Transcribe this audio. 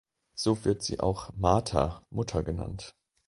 So wird sie auch „Mata“, Mutter genannt.